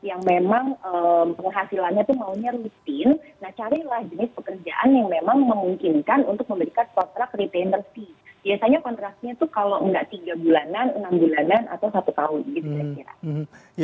biasanya kontraknya itu kalau enggak tiga bulanan enam bulanan atau satu tahun gitu kira kira